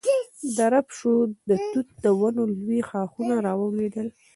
درب شو، د توت د ونو لوی ښاخونه را ولوېدل.